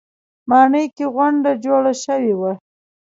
ماڼۍ کې غونډه جوړه شوې وه.